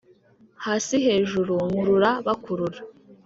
hasi hejuru nkurura bakurura